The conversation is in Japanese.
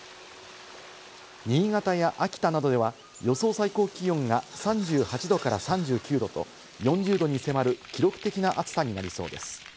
新潟や秋田などでは予想最高気温が３８度から３９度と、４０度に迫る記録的な暑さになりそうです。